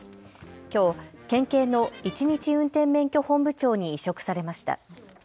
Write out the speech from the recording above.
きょう県警の１日運転免許本部長に委嘱されました。